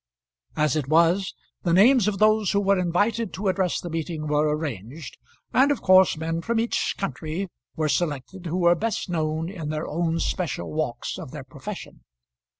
As it was, the names of those who were invited to address the meeting were arranged, and of course men from each country were selected who were best known in their own special walks of their profession.